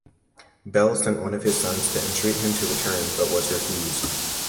Bel sent one of his sons to entreat him to return, but was refused.